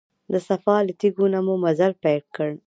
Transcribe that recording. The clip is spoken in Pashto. د صفا له تیږو نه مو مزل پیل کړ.